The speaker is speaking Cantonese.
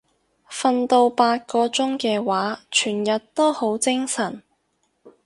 瞓到八個鐘嘅話全日都好精神